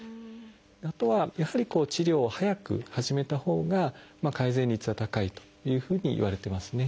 あとはやはり治療を早く始めたほうが改善率は高いというふうにいわれてますね。